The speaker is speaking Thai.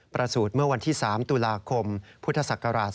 ประสูจน์เมื่อวันที่๓ตุลาคมพศ๒๔๕๖